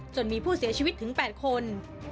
จนมีผู้เสียชีวิตถึง๘คน